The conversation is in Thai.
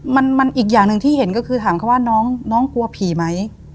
มันอีกอย่างหนึ่งที่เห็นก็คือถามเขาว่าน้องกลัวผีไหม